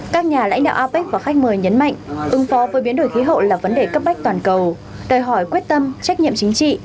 các nhà lãnh đạo apec và khách mời nhấn mạnh ứng phó với biến đổi khí hậu là vấn đề cấp bách toàn cầu đòi hỏi quyết tâm trách nhiệm chính trị